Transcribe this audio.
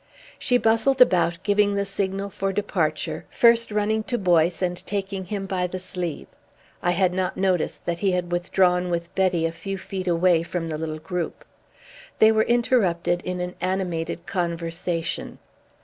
She bustled about giving the signal for departure, first running to Boyce and taking him by the sleeve. I had not noticed that he had withdrawn with Betty a few feet away from the little group. They were interrupted in an animated conversation.